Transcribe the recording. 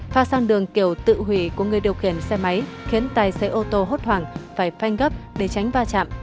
pha sang đường kiểu tự hủy của người điều khiển xe máy khiến tài xế ô tô hốt hoảng phải phanh gấp để tránh va chạm